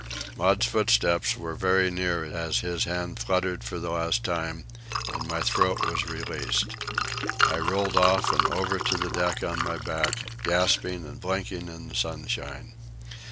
Maud's footsteps were very near as his hand fluttered for the last time and my throat was released. I rolled off and over to the deck on my back, gasping and blinking in the sunshine.